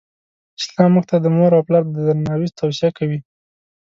اسلام مونږ ته د مور او پلار د درناوې توصیه کوی.